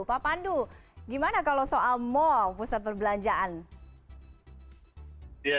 pak pandu gimana kalau soal mall pusat perbelanjaan